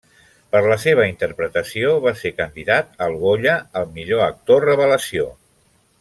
Per la seva interpretació va ser candidat al Goya al millor actor revelació.